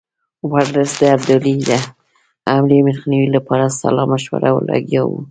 ورلسټ د ابدالي د حملې مخنیوي لپاره سلا مشورو لګیا وو.